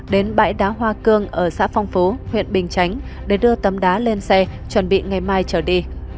đến bãi đá hoa cương ở xã phong phú huyện bình chánh để đưa tấm đá lên xe chuẩn bị ngày mai trở đi